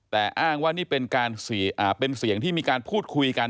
แต่อ้างว่านี่เป็นเสียงที่มีการพูดคุยกัน